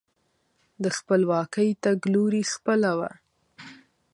د خپلواکۍ تګلوري خپله وه.